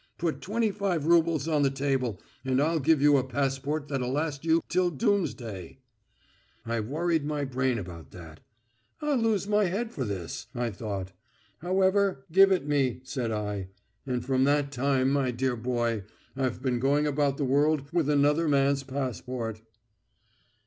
Put twenty five roubles on the table, and I'll give you a passport that'll last you till doomsday.' I worried my brain about that. 'I'll lose my head for this,' I thought. However, 'Give it me,' said I. And from that time, my dear boy, I've been going about the world with another man's passport."